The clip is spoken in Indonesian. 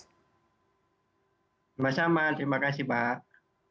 sama sama terima kasih pak